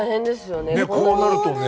ねっこうなるとね。